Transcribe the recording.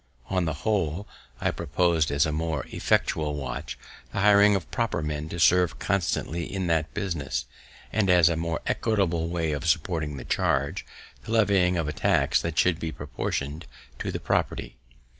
On the whole, I proposed as a more effectual watch, the hiring of proper men to serve constantly in that business; and as a more equitable way of supporting the charge, the levying a tax that should be proportion'd to the property.